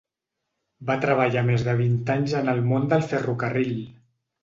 Va treballar més de vint anys en el món del ferrocarril.